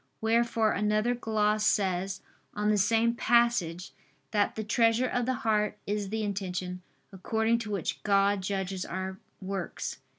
Wherefore another gloss says on the same passage that "the treasure of the heart is the intention, according to which God judges our works."